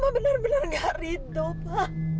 mama bener bener ga ridho pa